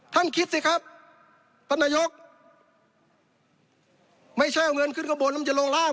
ท่านคิดสิครับประนัยกษ์ไม่ใช่เอาเงินขึ้นข้างบนแล้วมันจะลงล่าง